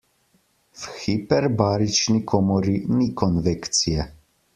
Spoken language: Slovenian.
V hiperbarični komori ni konvekcije.